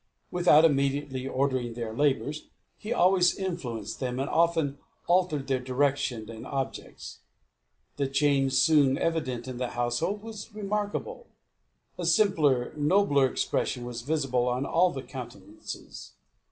Without immediately ordering their labours, he always influenced them, and often altered their direction and objects. The change soon evident in the household was remarkable. A simpler, nobler expression was visible on all the countenances.